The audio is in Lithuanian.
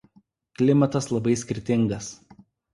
Klimatas labai skirtingas.